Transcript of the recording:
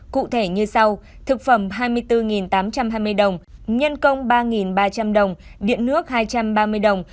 cụ thể như sau thực phẩm hai mươi bốn tám trăm hai mươi đồng nhân công ba ba trăm linh đồng điện nước hai trăm ba mươi đồng